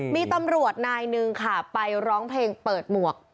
มีตำรวจนายหนึ่งค่ะไปร้องเพลงเปิดหมวก